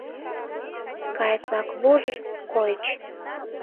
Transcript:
Кайык-влак вуж-ж койыч...